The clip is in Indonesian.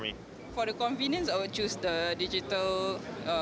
ini terasa bagus bagi saya